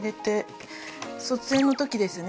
卒園の時ですね。